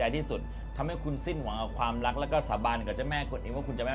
พี่ก็ร้องไห้